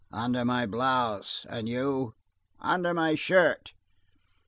"Under my blouse." "And you?" "Under my shirt."